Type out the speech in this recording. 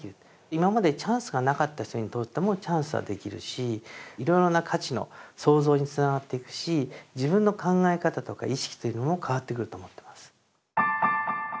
今までチャンスがなかった人にとってもチャンスはできるしいろいろな価値の創造につながっていくし自分の考え方とか意識というのも変わってくると思ってます。